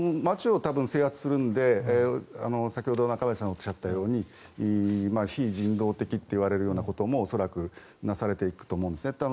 街を多分制圧するので先ほど、中林さんがおっしゃったように非人道的といわれるようなことも恐らくなされていくと思うんですね。